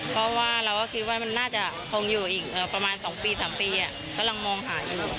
ตอนนี้มันมีสัญญาณไหมคะ